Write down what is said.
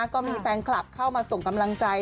ก็มีแฟนคลับเข้ามาส่งกำลังใจ